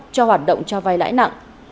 cho hoạt động cho vai lãi nặng